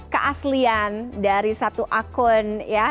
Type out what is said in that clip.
keaslian dari satu akun ya